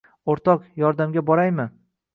O‘rtoq, yordamga boraymi